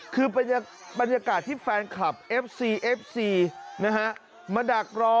คือบรรยากาศที่แฟนครับอัฟซีมาดักรอ